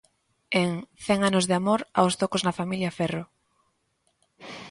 En 'Cen anos de amor aos zocos na familia Ferro'.